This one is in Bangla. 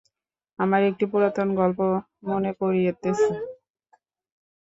আমার একটি পুরাতন গল্প মনে পড়িতেছে।